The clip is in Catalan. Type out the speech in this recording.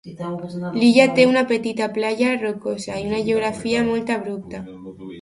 L'illa té una petita platja rocosa i una geografia molt abrupta.